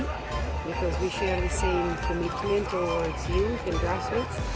karena kami berbagi komitmen yang sama dengan anda dan grassroots